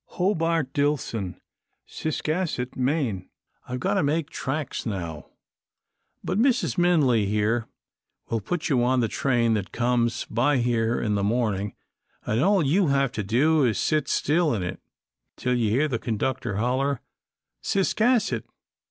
"Hobart Dillson, Ciscasset, Maine. I've got to make tracks now, but Mrs. Minley here will put you on a train that comes by here in the morning, and all you've got to do is to sit still in it, till you hear the conductor holler Ciscasset.